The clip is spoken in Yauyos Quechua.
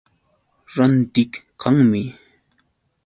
Rantiq kanmi.